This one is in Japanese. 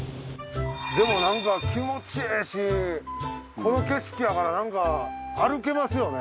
でもなんか気持ちええしこの景色やからなんか歩けますよね。